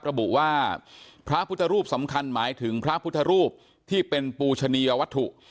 ระบุว่าพระพุทธรูปสำคัญหมายถึงพระพุทธรูปที่เป็นปูชนียวัตถุ